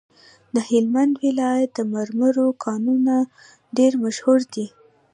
د هلمند ولایت د مرمرو کانونه ډیر مشهور دي.